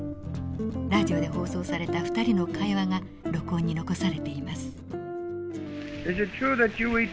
ラジオで放送された２人の会話が録音に残されています。